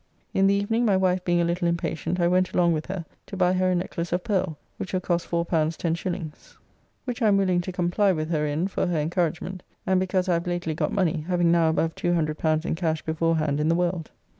In the evening my wife being a little impatient I went along with her to buy her a necklace of pearl, which will cost L4 10s., which I am willing to comply with her in for her encouragement, and because I have lately got money, having now above L200 in cash beforehand in the world.